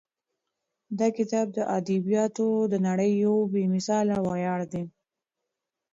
دا کتاب د ادبیاتو د نړۍ یو بې مثاله ویاړ دی.